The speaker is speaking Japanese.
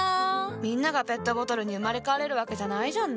みんながペットボトルに生まれ変われるわけじゃないじゃんね。